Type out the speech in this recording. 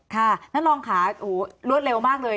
ท่านรองค่ะรวดเร็วมากเลย